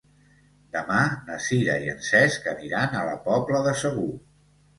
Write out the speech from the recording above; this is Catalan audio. Demà na Sira i en Cesc aniran a la Pobla de Segur.